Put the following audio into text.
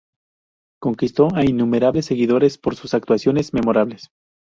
Conquistó a innumerables seguidores por sus actuaciones memorables.